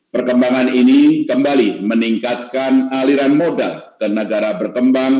perkembangan ini kembali meningkatkan aliran modal ke negara berkembang